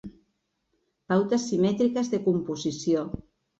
Pautes simètriques de composició.